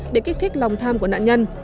để kích thích lòng tham của nạn nhân